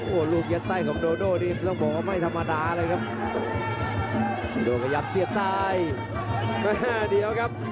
โหลูกยัดไส้ของโดโดนี่ต้องบอกว่าไม่ธรรมดาเลยครับ